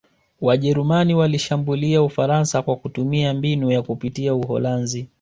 Wajerumani walishambulia Ufaransa kwa kutumia mbinu ya kupitia Uholanzi